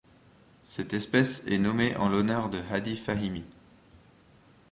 Cette espèce est nommée en l'honneur de Hadi Fahimi.